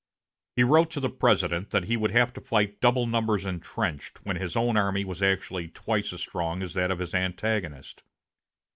He wrote to the President that he would have to fight double numbers intrenched, when his own army was actually twice as strong as that of his antagonist.